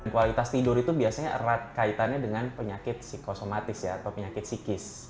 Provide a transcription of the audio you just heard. kualitas tidur itu biasanya erat kaitannya dengan penyakit psikosomatis ya atau penyakit psikis